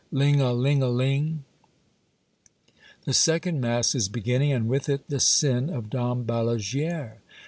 Ling a ling a ling ! The second mass is beginning, and with it the sin of Dom Balaguere.